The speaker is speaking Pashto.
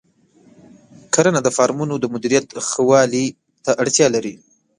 کرنه د فارمونو د مدیریت ښه والي ته اړتیا لري.